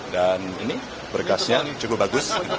dan ini berkasnya cukup bagus